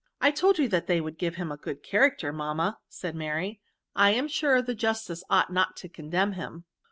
*' I told you they would give him a good character, mamma," said Mary ;" I am sure the justice ought not to condemn him."